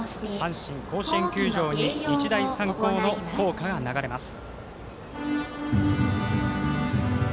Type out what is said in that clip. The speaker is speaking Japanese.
阪神甲子園球場に日大三高の校歌が流れます。